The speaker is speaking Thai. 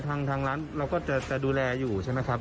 ทางร้านเราก็จะดูแลอยู่ใช่ไหมครับ